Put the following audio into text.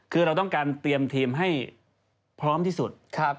คือเราต้องการเตรียมทีมให้พร้อมที่สุด